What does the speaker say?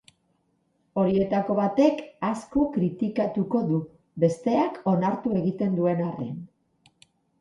Horietako batek asko kritikatuko du, besteak onartu egiten duen arren.